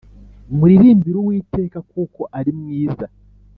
Muririmbire Uwiteka kuko ari mwiza